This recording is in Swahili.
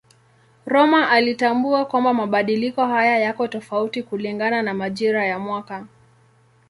Rømer alitambua kwamba mabadiliko haya yako tofauti kulingana na majira ya mwaka.